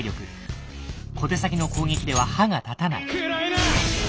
小手先の攻撃では歯が立たない。